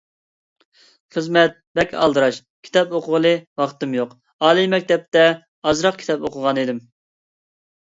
خىزمەت بەك ئالدىراش، كىتاب ئوقۇغىلى ۋاقتىم يوق، ئالىي مەكتەپتە ئازراق كىتاب ئوقۇغانىدىم.